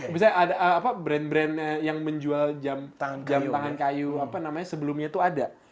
misalnya ada brand brand yang menjual jam tangan kayu sebelumnya itu ada